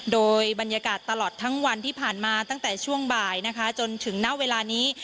โดยบรรยากาศตลอดทั้งวันที่ผ่านมาตั้งแต่ช่วงบ่ายนะคะจนถึงณเวลานี้